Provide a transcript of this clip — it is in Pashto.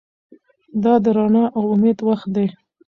دا د رڼا او امید وخت دی.